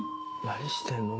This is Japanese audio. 何してんの？